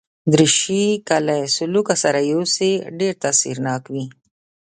دریشي که له سلوکه سره یوسې، ډېر تاثیرناک وي.